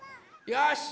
よし！